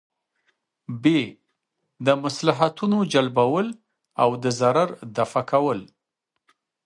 ب : د مصلحتونو جلبول او د ضرر دفعه کول